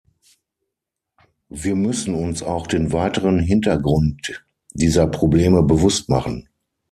Wir müssen uns auch den weiteren Hintergrund dieser Probleme bewusst machen.